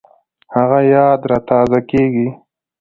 هغه یاد را تازه کېږي